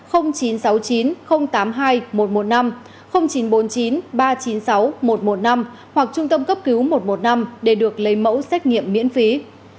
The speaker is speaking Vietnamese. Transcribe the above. hoặc trung tâm cấp cứu một trăm một mươi năm để được lấy mẫu xét nghiệm miễn phí